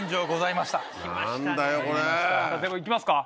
いきますか。